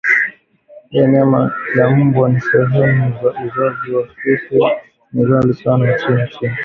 bei ya nyama ya mbwa na sehemu za uzazi wa fisi ni ghali sana nchini China